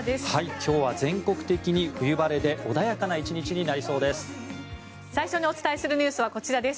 今日は全国的に冬晴れで穏やかな１日になりそうです。